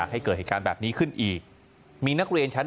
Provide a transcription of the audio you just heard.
เหมือนฉัน